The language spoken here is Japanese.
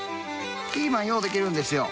ピーマンようできるんですよ。